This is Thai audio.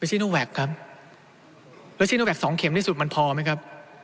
ซีโนแวคครับแล้วซีโนแวคสองเข็มที่สุดมันพอไหมครับ